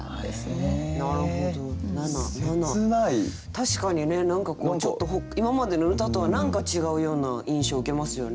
確かにね何かちょっと今までの歌とは何か違うような印象受けますよね。